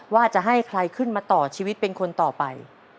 ว่าจะให้ใครขึ้นมาต่อชีวิตเป็นคนต่อไป